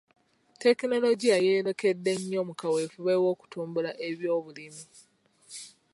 Tekinologiya yeeyolekedde nnyo mu kaweefube w'okutumbula eby'obulimi.